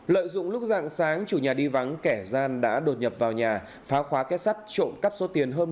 lợi dụng lúc rạng sáng chủ nhà đi vắng kẻ gian đã đột nhập vào nhà phá khóa két sắt trộn cắp số tiền hơn một trăm năm mươi triệu đồng